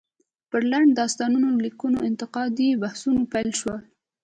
پر لنډ داستان ليکلو انتقادي بحثونه پيل شول.